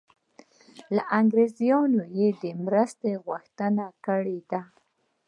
له انګریزانو یې د مرستې غوښتنه کړې ده.